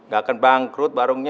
gak akan bangkrut warungnya